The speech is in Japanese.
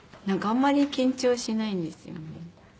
なんかあんまり緊張しないんですよね。